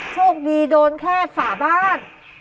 โชคดีโดนแค่ฝาบ้าน